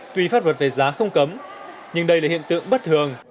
tuy pháp luật về giá không cấm nhưng đây là hiện tượng bất thường